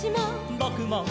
「ぼくも」